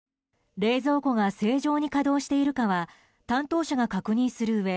冷蔵庫が正常に稼働しているかは担当者が確認するうえ